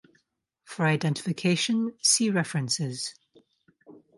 For identification see references.